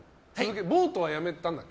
ボートはやめたんだっけ？